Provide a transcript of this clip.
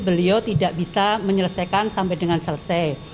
beliau tidak bisa menyelesaikan sampai dengan selesai